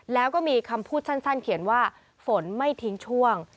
แล้วก็มีคำพูดสั้นเขียนว่าฝนไม่ทิ้งช่วง